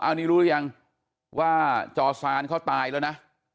อันนี้รู้หรือยังว่าจอซานเขาตายแล้วนะ